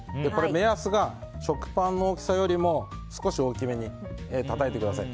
目安が食パンの大きさよりも少し大きめにたたいてください。